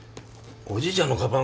おじいちゃんの鞄